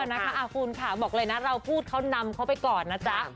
นะคะคุณค่ะบอกเลยนะเราพูดเขานำเขาไปก่อนนะจ๊ะ